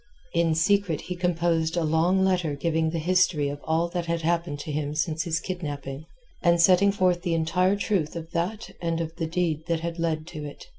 In secret he composed a long letter giving the history of all that had happened to him since his kidnapping, and setting forth the entire truth of that and of the deed that had led to it.